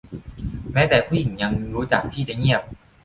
แม้แต่ผู้หญิงยังรู้จักที่จะเงียบ